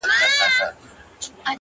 بخت دي تور عقل کوټه دی خدای لیدلی!.